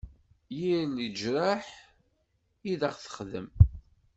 Yir leǧreḥ i d aɣ-texdem.